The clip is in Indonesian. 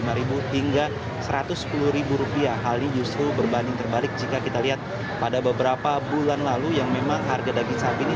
rp lima hingga rp satu ratus sepuluh rupiah hal ini justru berbanding terbalik jika kita lihat pada beberapa bulan lalu yang memang harga daging sapi ini